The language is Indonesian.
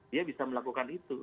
dia bisa melakukan itu